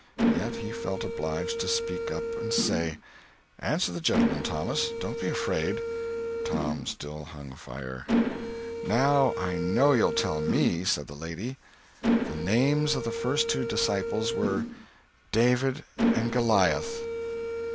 Yet he felt obliged to speak up and say: "Answer the gentleman, Thomas—don't be afraid." Tom still hung fire. "Now I know you'll tell me," said the lady. "The names of the first two disciples were—" "_David And Goliah!